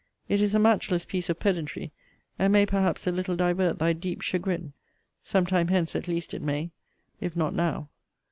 It is a matchless piece of pedantry; and may perhaps a little divert thy deep chagrin: some time hence at least it may, if not now.